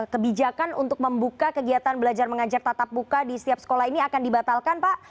kebijakan untuk membuka kegiatan belajar mengajar tatap muka di setiap sekolah ini akan dibatalkan pak